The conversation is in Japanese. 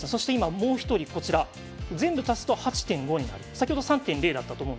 もう１人全部足すと８．５になる。